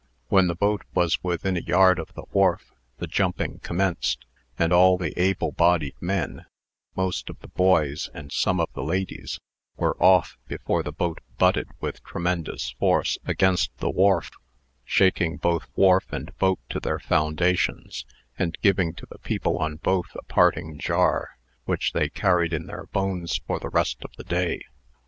When the boat was within a yard of the wharf, the jumping commenced; and all the able bodied men, most of the boys, and some of the ladies, were off before the boat butted with tremendous force against the wharf, shaking both wharf and boat to their foundations, and giving to the people on both a parting jar, which they carried in their bones for the rest of the day.